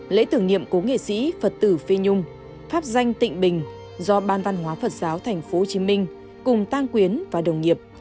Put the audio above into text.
lễ tưởng niệm cố nghệ sĩ phật tử phi nhung pháp danh tịnh bình do ban văn hóa phật giáo tp hcm cùng tăng quyến và đồng nghiệp